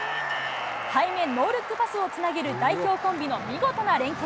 背面ノールックパスをつなげる代表コンビの見事な連係。